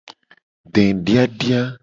Dediadia.